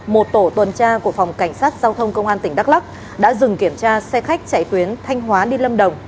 một tổ tuần tra của phòng cảnh sát giao thông công an tỉnh đắk lắc đã dừng kiểm tra xe khách chạy tuyến thanh hóa đi lâm đồng